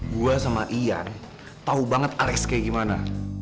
gue sama ian tau banget alex kayak gimana